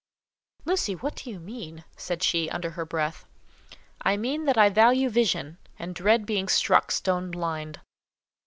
"Lucy, what do you mean?" said she, under her breath. "I mean that I value vision, and dread being struck stone blind."